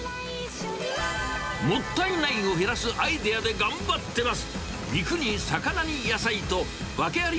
もったいないを減らすアイデアで頑張ってます。